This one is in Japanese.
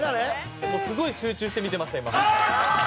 すごい集中して見てました今。